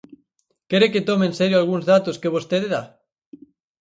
¿Quere que tome en serio algúns datos que vostede dá?